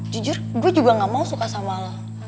jujur gue juga gak mau suka sama lo